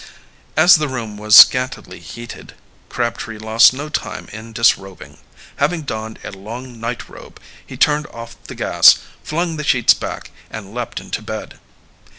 As the room was scantily heated, Crabtree lost no time in disrobing. Having donned a long night robe, he turned off the gas, flung the sheets back, and leaped into bed.